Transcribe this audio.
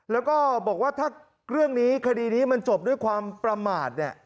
แล้วก็บอกว่าถ้าเรื่องนี้คดีนี้มันจบด้วยความประมาทเนี่ย